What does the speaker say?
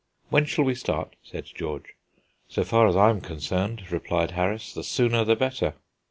"When shall we start?" said George. "So far as I am concerned," replied Harris, "the sooner the better."